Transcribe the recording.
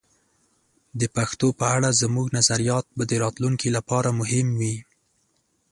د پښتو په اړه زموږ نظریات به د راتلونکي لپاره مهم وي.